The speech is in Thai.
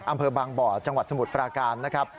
อำเภอบางบ่อจังหวัดสมุทรปราการนะครับ